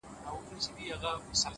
راته ښكلا راوړي او ساه راكړي ـ